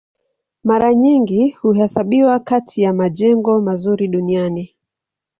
Mara nyingi huhesabiwa kati ya majengo mazuri duniani.